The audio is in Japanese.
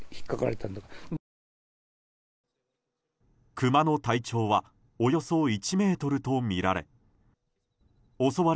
クマの体長はおよそ１ｍとみられ。